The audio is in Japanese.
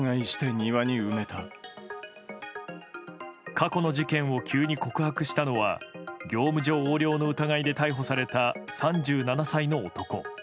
過去の事件を急に告白したのは業務上横領の疑いで逮捕された３７歳の男。